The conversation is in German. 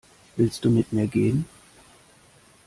Willst du mit mir gehen?